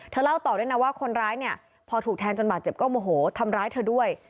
เล่าต่อด้วยนะว่าคนร้ายเนี่ยพอถูกแทงจนบาดเจ็บก็โมโหทำร้ายเธอด้วย